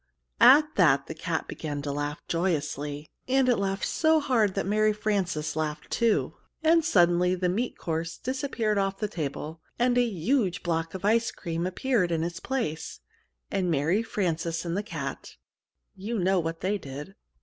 At that the cat began to laugh joyously, and it laughed so hard that Mary Frances laughed too; and suddenly the meat course disappeared off the table and a huge block of ice cream appeared in its place, and Mary Frances and the cat you know what they did.